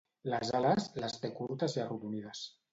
Les ales, les té curtes i arrodonides.